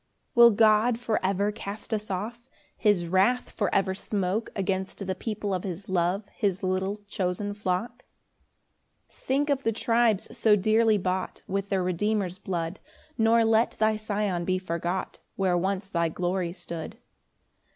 1 Will God for ever cast us off? His wrath for ever smoke Against the people of his love, His little chosen flock? 2 Think of the tribes so dearly bought With their Redeemer's blood; Nor let thy Sion be forgot, Where once thy glory stood.